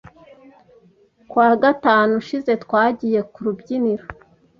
Ku wa gatanu ushize, twagiye ku rubyiniro.